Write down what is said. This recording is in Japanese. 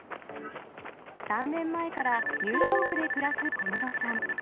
３年前からニューヨークで暮らす小室さん。